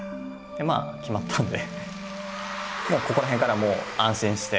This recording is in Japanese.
まあ決まったんでもうここら辺からはもう安心して。